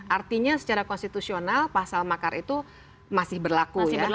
artinya secara konstitusional pasal makar itu masih berlaku ya